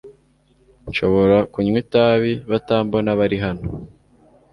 Nshobora kunywa itabi batambona bari hano?